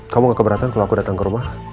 kamu ga keberatan kalo aku datang ke rumah